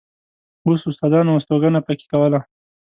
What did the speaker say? اوس استادانو استوګنه په کې کوله.